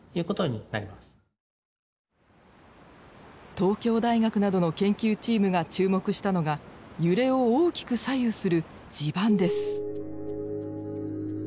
東京大学などの研究チームが注目したのが揺れを大きく左右する地盤です。